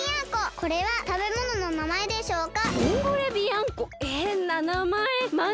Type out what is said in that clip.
これはたべものの名前でしょうか？